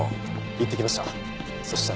行ってきました。